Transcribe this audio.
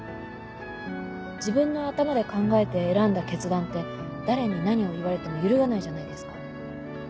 自分の頭で考えて選んだ決断って誰に何を言われても揺るがないじゃないですか。